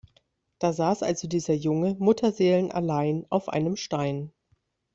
Da saß also dieser Junge mutterseelenallein auf einem Stein.